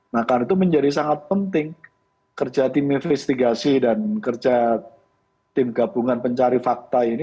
nah karena itu menjadi sangat penting kerja tim investigasi dan kerja tim gabungan pencari fakta ini